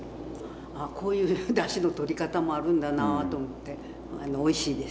あっこういうだしのとり方もあるんだなと思っておいしいです。